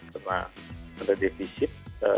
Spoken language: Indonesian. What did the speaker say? karena ada defisit